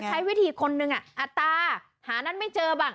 ใช้วิธีคนหนึ่งอัตราหานั้นไม่เจอบ้าง